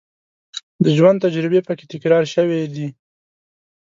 د ژوند تجربې په کې تکرار شوې دي.